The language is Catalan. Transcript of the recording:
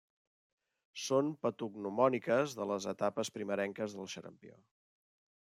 Són patognomòniques de les etapes primerenques del xarampió.